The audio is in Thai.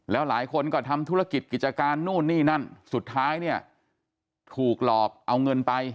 แล้วหลายคนก็ทำธุรกิจกิจการนู่นนี่นั่นสุดท้ายเนี่ยถูกหลอกเอาเงินไป